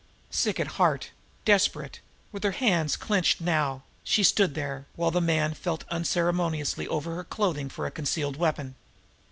Sick at heart, desperate, but with her hands clenched now, she stood there, while the man felt unceremoniously over her clothing for a concealed weapon.